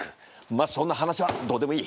まっそんな話はどうでもいい。